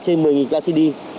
trên một mươi kcd